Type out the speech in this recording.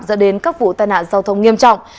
dẫn đến các vụ tai nạn giao thông nghiêm trọng